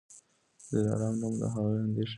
د دلارام نوم د هغي هندۍ ښځي پر نامي ایښودل سوی دی.